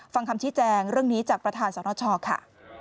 ฟังคำชี้แจงเรื่องนี้จากประธานสนชค่ะ